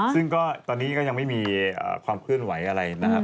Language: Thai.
ซึ่งก็ตอนนี้ก็ยังไม่มีความเคลื่อนไหวอะไรนะครับ